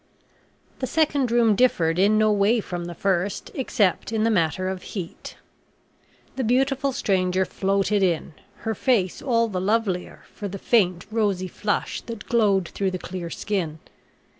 The second room differed in no way from the first, except in the matter of heat. The beautiful stranger floated in her face all the lovelier for the faint rosy flush that glowed through the clear skin.